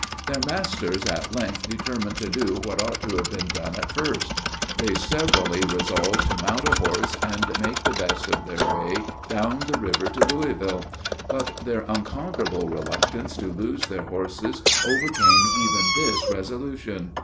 Their masters at length determined to do what ought to have been done at first. They severally resolved to mount a horse, and make the best of their way down the river to Louisville. But their unconquerable reluctance to lose their horses overcame even this resolution.